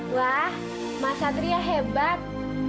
wah mas adria hebat